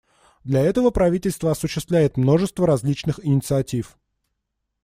Для этого правительство осуществляет множество различных инициатив.